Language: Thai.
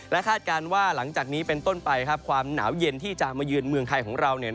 คาดการณ์ว่าหลังจากนี้เป็นต้นไปความหนาวเย็นที่จะมายืนเมืองไทยของเรา